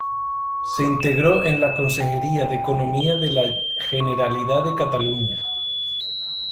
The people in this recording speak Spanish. Se integró en la Consejería de Economía de la Generalidad de Cataluña.